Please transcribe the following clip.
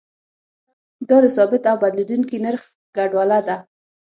دا د ثابت او بدلیدونکي نرخ ګډوله ده.